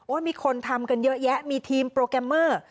มีคนทำกันเยอะแยะมีทีมโปรแกรมเมอร์